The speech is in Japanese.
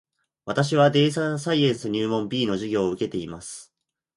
私はデータサイエンス入門 B の授業を受けています